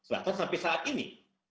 bahkan sampai saat ini